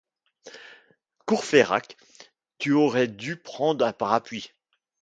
Courfeyrac, tu aurais dû prendre un parapluie.